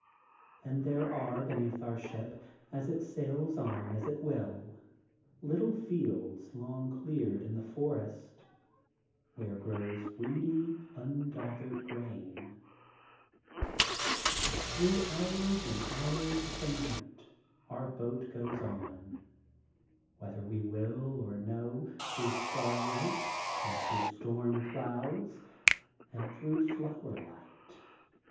And there are be neath our ship, as it sails on as it will, little 824 THE GOLDEN BOOK OF SPRINGFIELD fields long cleared in the forest, where grows weedy nngathered g^rain. Through hours and hours of the night our boat goes on, whether we will or no, through starlight and through storm clouds and through flower light.